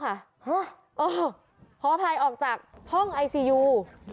เพราะว่าพายออกจากห้องไอซียู